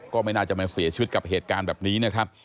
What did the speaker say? ก็ไม่น่าจะมาเสียชีวิตกับเหตุการณ์แบบนี้นะครับ